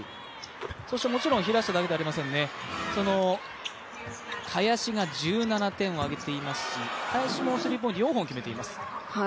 もちろん平下だけではありませんね、林が１７点をあげていますし林もスリーポイント４本決めています。